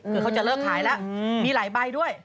คือเขาจะเลิกขายแล้วมีหลายใบด้วย